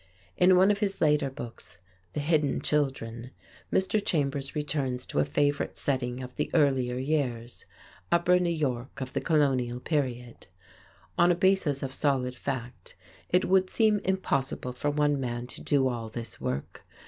In one of his later books, "The Hidden Children" (1915), Mr. Chambers returns to a favorite setting of the earlier years, upper New York of the Colonial period. On a basis of solid fact, it would seem impossible for one man to do all this work.